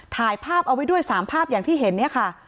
ถ่ายภาพเอาไว้ด้วย๓ภาพอย่างที่เห็นเนี่ยค่ะ